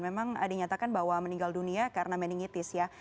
memang ada yang nyatakan bahwa meninggal dunia karena meningitis ya